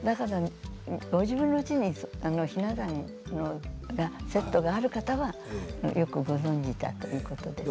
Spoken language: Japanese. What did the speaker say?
ご自分のうちにひな壇のセットがある方はよくご存じだと思うんですね。